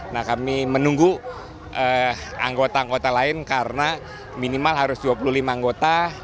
nah kami menunggu anggota anggota lain karena minimal harus dua puluh lima anggota